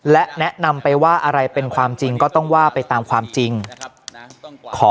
และแนะนำไปว่าอะไรเป็นความจริงก็ต้องว่าไปตามความจริงขอ